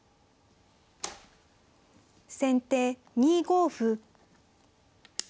先手２五歩。